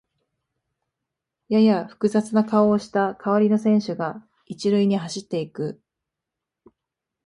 やや複雑な顔をした代わりの選手が一塁に走っていく